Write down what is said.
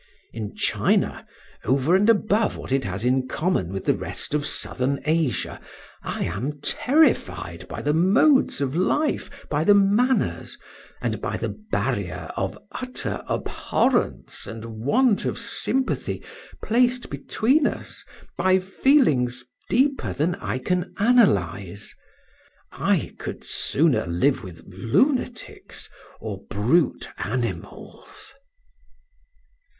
In China, over and above what it has in common with the rest of southern Asia, I am terrified by the modes of life, by the manners, and the barrier of utter abhorrence and want of sympathy placed between us by feelings deeper than I can analyse. I could sooner live with lunatics or brute animals.